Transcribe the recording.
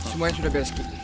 semuanya sudah bebas kini